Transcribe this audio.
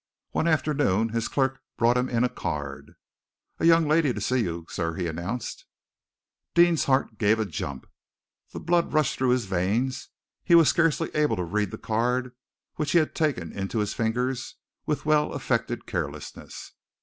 One afternoon his clerk brought him in a card. "A young lady to see you, sir!" he announced. Deane's heart gave a jump, the blood rushed through his veins, he was scarcely able to read the card which he had taken into his fingers with well affected carelessness.